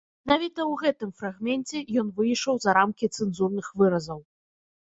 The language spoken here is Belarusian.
Менавіта ў гэтым фрагменце ён выйшаў за рамкі цэнзурных выразаў.